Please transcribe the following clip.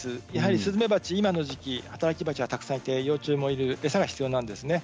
スズメバチ、今の時期は働きバチがたくさんいて幼虫もいる、餌が必要なんです。